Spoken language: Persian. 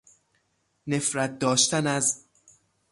نفرت داشتن از